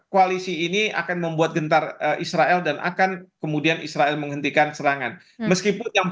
koalisi ini akan membuat gentar israel dan akan kemudian israel menghentikan serangan meskipun yang